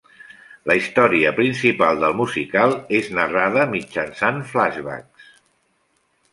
La història principal del musical és narrada mitjançant flashbacks.